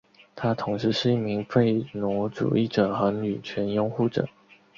他同时是一名废奴主义者和女权拥护者。